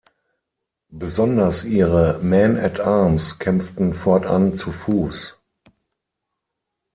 Besonders ihre Men-at-arms kämpften fortan zu Fuß.